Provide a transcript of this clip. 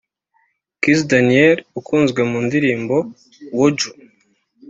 Kiss Daniel ukunzwe mu ndirimbo ‘Woju’